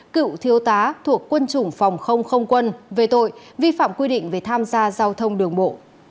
cựu thiếu tá thuộc quân chủng phòng không không quân về tội vi phạm quy định về tham gia giao thông đường bộ